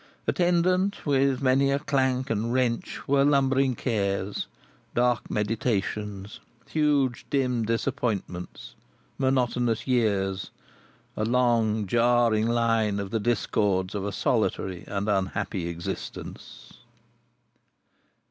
Attendant, with many a clank and wrench, were lumbering cares, dark meditations, huge dim disappointments, monotonous years, a long jarring line of the discords of a solitary and unhappy existence.